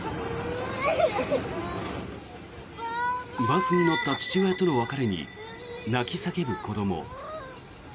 バスに乗った父親との別れに泣き叫ぶ子ども。